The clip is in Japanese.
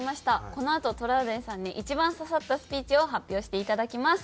このあとトラウデンさんに一番刺さったスピーチを発表していただきます。